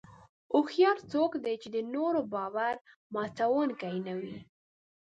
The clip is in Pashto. هوښیار څوک دی چې د نورو باور ماتوونکي نه وي.